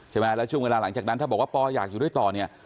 ใช่ไหมแล้วช่วงเวลาหลังจากนั้นถ้าบอกว่าปออยากอยู่ด้วยต่อเนี่ย